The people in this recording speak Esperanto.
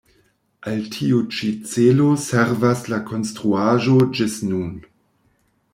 Al tiu ĉi celo servas la konstruaĵo ĝis nun.